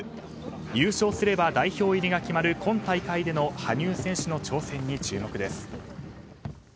優勝すれば代表入りが決まる今大会での羽生選手の挑戦に注目です。